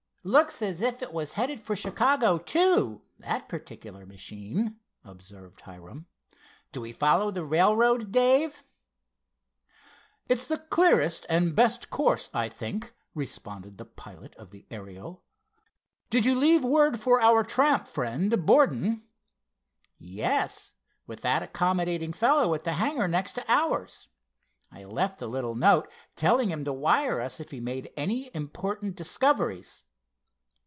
"Looks as if it was headed for Chicago, too; that particular machine," observed Hiram. "Do we follow the railroad, Dave?" "It's the clearest and best course, I think," responded the pilot of the Ariel. "Did you leave word for our tramp friend, Borden?" "Yes, with that accommodating fellow at the next hangar to ours. I left a little note telling him to wire us if he made any important discoveries.